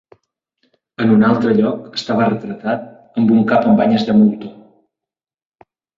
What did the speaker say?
En un altre lloc, estava retratat amb un cap amb banyes de moltó.